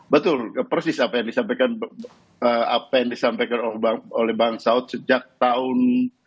betul persis apa yang disampaikan oleh bang salta sejak tahun dua ribu empat belas